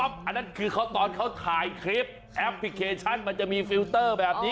อันนั้นคือตอนที่เค้าถ่ายคลิปแอลพปิเคชันมันจะมีฟิลเตอร์